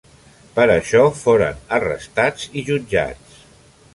Per això, foren arrestats i jutjats.